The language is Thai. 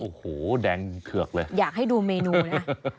โอ้โหแดงเถือกเลยอยากให้ดูเมนูนะ